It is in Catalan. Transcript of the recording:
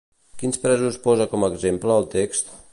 Quins presos posa com a exemple el text?